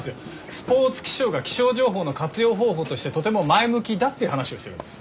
スポーツ気象が気象情報の活用方法としてとても前向きだっていう話をしてるんです。